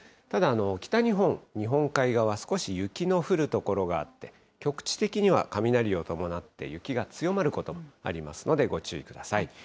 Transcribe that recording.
ただ、北日本、日本海側、少し雪の降る所があって、局地的には雷を伴って雪が強まることありますので、ご注意ください。